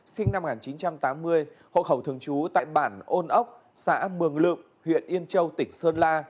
sinh năm một nghìn chín trăm tám mươi hộ khẩu thường trú tại bản ôn ốc xã mường lượm huyện yên châu tỉnh sơn la